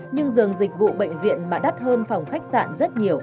nhưng dường dịch vụ bệnh viện mà đắt hơn phòng khách sạn rất nhiều